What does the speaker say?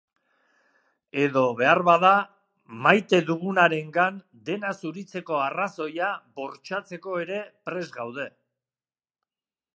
Edo, beharbada, maite dugunarengan dena zuritzeko arrazoia bortxatzeko ere prest gaude.